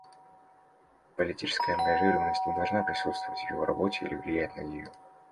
Политическая ангажированность не должна присутствовать в его работе или влиять на нее.